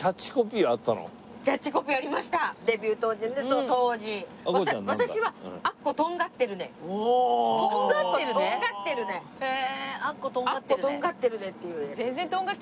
「アッコ、とんがってるね」っていうやつ。